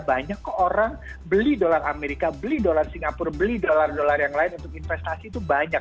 banyak kok orang beli dolar amerika beli dolar singapura beli dolar dolar yang lain untuk investasi itu banyak